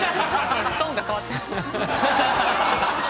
トーンが変わっちゃいました。